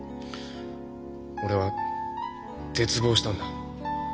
俺は絶望したんだ。